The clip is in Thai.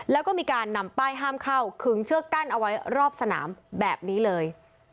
แล้วก็มีการนำป้ายห้ามเข้าขึงเชือกกั้นเอาไว้รอบสนามแบบนี้เลย